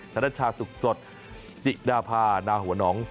ธนชาสุขสดจิดาพานาหัวหนอง